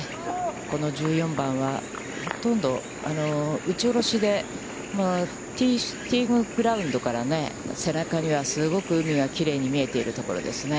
この１４番はほとんど打ち下ろしで、ティーグラウンドから背中には、すごく海がきれいに見えているところですね。